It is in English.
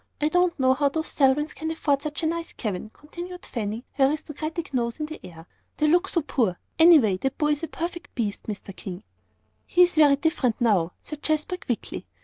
I don't see how those Selwyns can afford such a nice cabin," continued Fanny, her aristocratic nose in the air, "they look so poor. Anyway that boy is a perfect beast, Mr. King." "He's very different now," said Jasper, quickly.